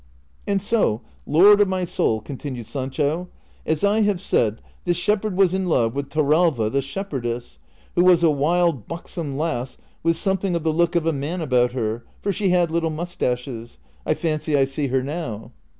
" And so, lord of my soul," continued Sancho, " as I have said, this shepherd was in love with Torralva the shepherdess, who was a wild buxom lass with something of the look of a man about her, for she had little mustaches ; I fancy I see her now."